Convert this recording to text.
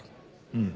うん。